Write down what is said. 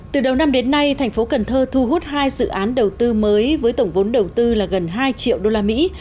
từ đầu năm đến nay thành phố cần thơ thu hút hai dự án đầu tư mới với tổng vốn đầu tư là gần hai triệu đô la mỹ